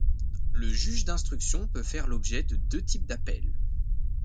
Le juge d'instruction peut faire l'objet de deux types d'appel.